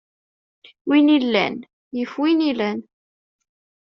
Win illan, yif win ilan.